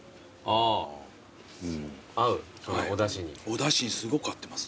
おだしにすごく合ってます。